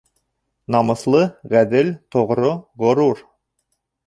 Намыҫлы, ғәҙел, тоғро, ғорур...